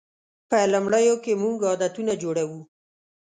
په لومړیو کې موږ عادتونه جوړوو.